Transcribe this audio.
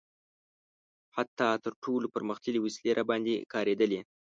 حتی تر ټولو پرمختللې وسلې راباندې کارېدلي.